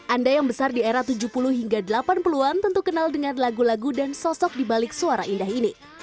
anda yang besar di era tujuh puluh hingga delapan puluh an tentu kenal dengan lagu lagu dan sosok dibalik suara indah ini